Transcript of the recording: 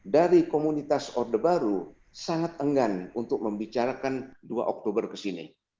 dari komunitas orde baru sangat enggan untuk membicarakan dua oktober kesini